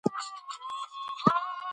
غوره هغه څوک دی چې ښه عمل ولري.